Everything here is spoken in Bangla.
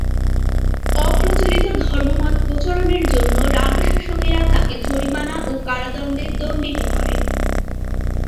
অপ্রচলিত ধর্ম মত প্রচলনের জন্য রাণা শাসকেরা তাকে জরিমানা ও কারাদণ্ডে দণ্ডিত করে।